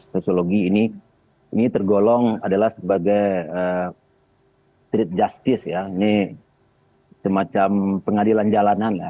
sosiologi ini tergolong adalah sebagai street justice ya ini semacam pengadilan jalanan ya